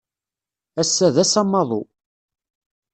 Ass-a d ass amaḍu.